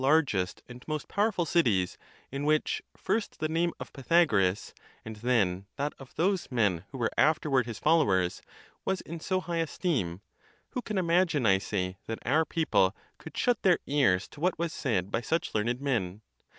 129 largest and most powerful cities, in which, first the name of Pythagoras, and then that of those men who were af terward his followers, was in so high esteem; who can imagine, I say, that our people could shut their ears to what was said by such learned men?